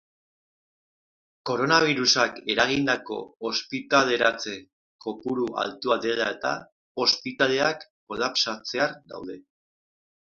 Koronabirusak eragindako ospitaleratze kopuru altua dela eta, ospitaleak kolapsatzear daude.